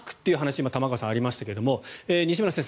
今、玉川さんからありましたが西村先生